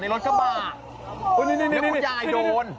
แล้วคุณยายโดน